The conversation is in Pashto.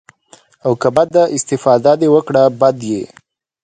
او که بده استفاده دې وکړه بد ديه.